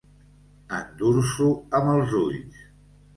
Endur-s'ho amb els ulls.